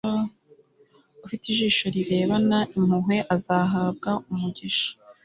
ufite ijisho rirebana impuhwe azahabwa umugisha